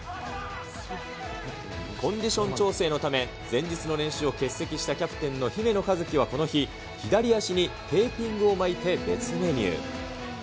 コンディション調整のため、前日の練習を欠席したキャプテンの姫野和樹はこの日、左足にテーピングを巻いて別メニュー。